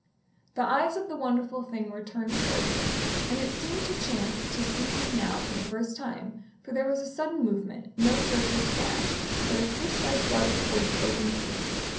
The eyes of the wonderful thing were turned toward him, and it seemed to chance to see him now for the first time, for there was a sudden movement, no jerk or splash, but a fish like dart toward the open sea.